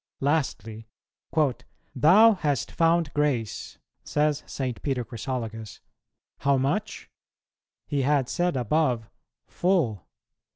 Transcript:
Lastly, "Thou hast found grace," says St. Peter Chrysologus, "how much? he had said above, Full.